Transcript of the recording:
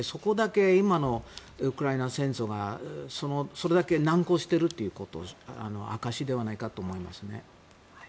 今のウクライナ戦争がそれだけ難航しているという証しではないかと思いますね。